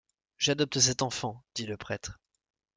J’adopte cet enfant, dit le prêtre.